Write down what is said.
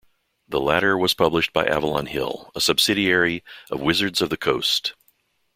The latter was published by Avalon Hill, a subsidiary of Wizards of the Coast.